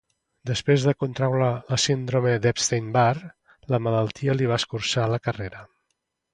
Després de contraure la síndrome de Epstein-Barr, la malaltia li va escurçar la carrera.